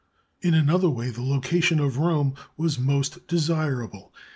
In another way the loca tion of Rome was most desirable.